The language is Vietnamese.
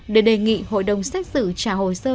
để đề nghị hội đồng xét xử trả hồ sơ